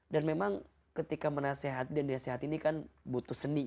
dan memang ketika menasehat dan diasehatin ini kan butuh seni ya